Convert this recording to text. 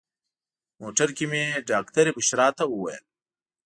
موټر کې مې ډاکټرې بشرا ته وویل.